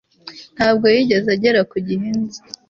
Ntabwo yigeze agera ku gihe nzi